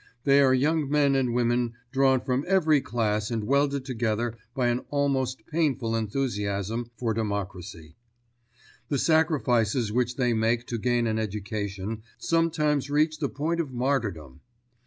They are young men and women drawn from every class and welded together by an almost painful enthusiasm for democracy. The sacrifices which they make to gain an education sometimes reach the point of martyrdom.